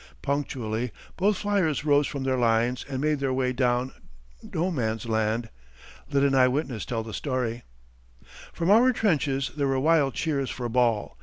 Punctually both flyers rose from their lines and made their way down No Man's Land. Let an eye witness tell the story: From our trenches there were wild cheers for Ball.